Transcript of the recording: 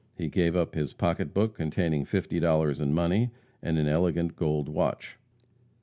He gave up his pocketbook containing fifty dollars in money, and an elegant gold watch.